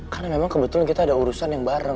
karena memang kebetulan kita ada urusan yang bareng